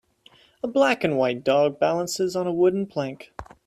A black and white dog balances on a wooden plank.